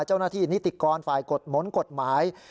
เจ้าหน้าที่นิติกรฝ่ายกฎม้นกฎหมาย